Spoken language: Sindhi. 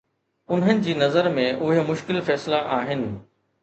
انهن جي نظر ۾، اهي مشڪل فيصلا آهن؟